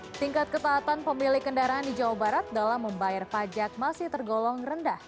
hai tingkat ketaatan pemilik kendaraan di jawa barat dalam membayar pajak masih tergolong rendah